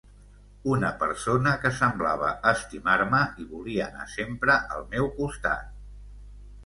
Una persona que semblava estimar-me i volia anar sempre al meu costat...